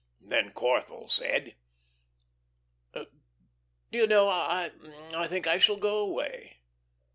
Then Corthell said: "Do you know, I think I shall go away."